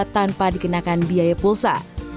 tanpa dikenakan biaya pulsa